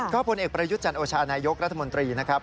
ก็ผลเอกประยุทธ์จันทร์โอชานายกเหพีราติมนิวตรีนะครับ